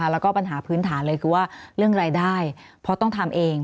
แล้วก็ปัญหาพื้นฐานเลยคือว่าเรื่องรายได้เพราะต้องทำเอง